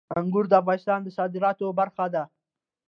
انګور د افغانستان د صادراتو برخه ده.